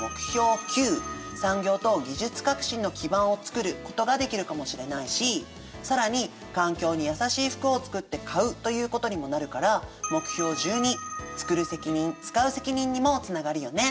９「産業と技術革新の基盤をつくる」ことができるかもしれないし更に環境に優しい服を作って買うということにもなるから目標１２「つくる責任つかう責任」にもつながるよね。